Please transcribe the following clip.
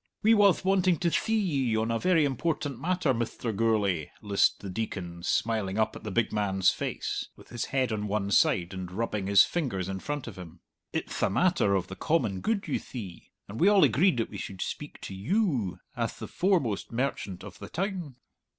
"We wath wanting to thee ye on a very important matter, Mithter Gourlay," lisped the Deacon, smiling up at the big man's face, with his head on one side, and rubbing his fingers in front of him. "It'th a matter of the common good, you thee; and we all agreed that we should speak to you, ath the foremost merchant of the town!"